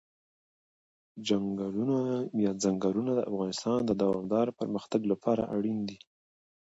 چنګلونه د افغانستان د دوامداره پرمختګ لپاره اړین دي.